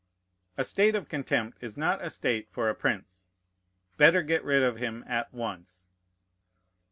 A state of contempt is not a state for a prince: better get rid of him at once.